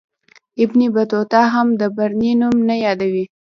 ابن بطوطه هم د برني نوم نه یادوي.